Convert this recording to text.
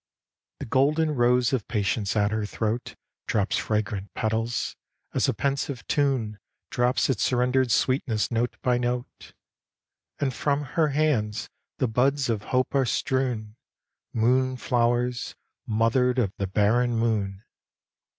The golden rose of patience at her throat Drops fragrant petals as a pensive tune Drops its surrendered sweetness note by note; And from her hands the buds of hope are strewn, Moon flowers, mothered of the barren moon.